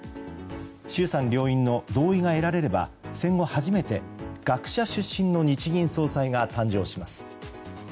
衆参両院の同意が得られれば戦後初めて、学者出身の日銀総裁が誕生します。